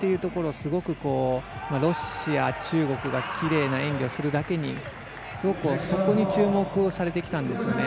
すごくロシア、中国がきれいな演技をするだけに、すごくそこに注目をされてきたんですよね。